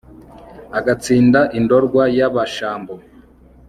agatsinda i ndorwa y'abashambo